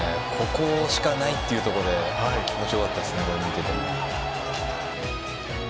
ここしかないというところ気持ち良かったですね。